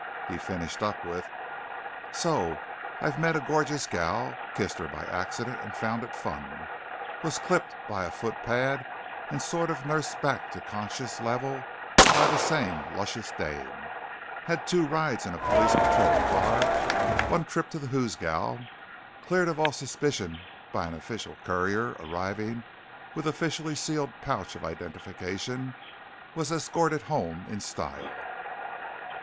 He finished up with: "So I've met a gorgeous gal, kissed her by accident and found it fun; was clipped by a footpad and sort of nursed back to the conscious level by the same luscious dame; had two rides in a police patrol car; one trip to the hoosegow; cleared of all suspicion by an official courier arriving with officially sealed pouch of identification; was escorted home in style."